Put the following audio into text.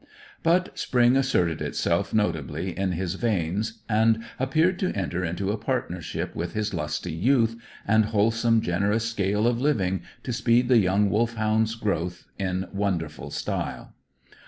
But spring asserted itself notably in his veins, and appeared to enter into a partnership with his lusty youth, and wholesome, generous scale of living, to speed the young Wolfhound's growth in wonderful style.